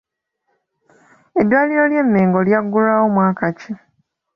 Eddwaliro ly’e Mengo lyaggulwawo mwaki ki?